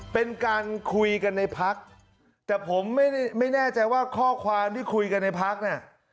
เป็นการคุยกันในพักแต่ผมไม่แน่ใจว่าข้อความที่คุยกันในพักเนี่ย